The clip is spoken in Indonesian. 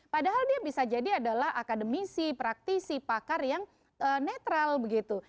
padahal dia bisa jadi adalah akademisi praktisi pakar yang netral begitu